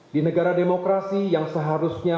di negara demokrasi yang seharusnya